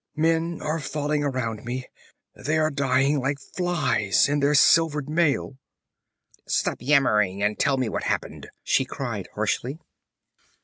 Men are falling around me! They are dying like flies, in their silvered mail!' 'Stop yammering and tell me what happened!' she cried harshly.